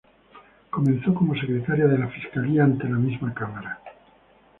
Comenzó como secretaria de la fiscalía ante la misma Cámara.